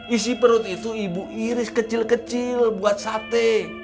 isi perut itu ibu iris kecil kecil buat sate